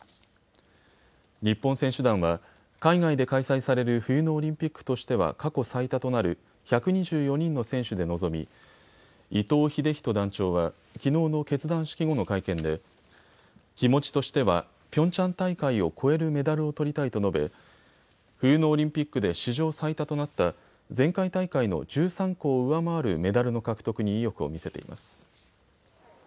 日本選手団は海外で開催される冬のオリンピックとしては過去最多となる１２４人の選手で臨み伊東秀仁団長は、きのうの結団式後の会見で気持ちとしては、ピョンチャン大会を超えるメダルを取りたいと述べ冬のオリンピックで史上最多となった前回大会の１３個を上回るメダルの獲得に意欲を見せています。